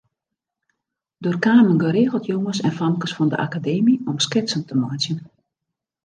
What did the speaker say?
Der kamen geregeld jonges en famkes fan de Akademy om sketsen te meitsjen.